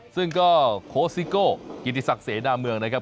ซึ่งก็โคซิโกกินที่ศักดิ์เสน่ห์หน้าเมืองนะครับ